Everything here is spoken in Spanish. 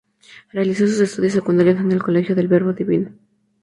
Realizó sus estudios secundarios en el Colegio del Verbo Divino.